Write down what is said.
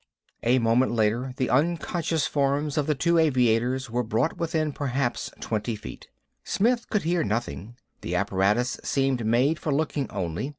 A moment later the unconscious forms of the two aviators were brought within perhaps twenty feet. Smith could hear nothing; the apparatus seemed made for looking only.